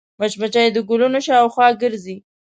مچمچۍ د ګلونو شاوخوا ګرځي